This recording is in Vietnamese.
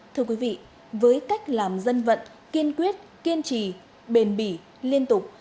thưa quý vị với cách làm dân vận kiên quyết kiên trì bền bỉ liên tục